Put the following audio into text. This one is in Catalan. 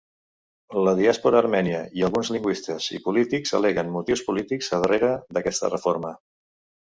La diàspora armènia, i alguns lingüistes i polítics, al·leguen motius polítics a darrere d'aquesta reforma.